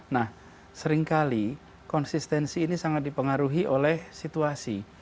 nah seringkali konsistensi ini sangat dipengaruhi oleh situasi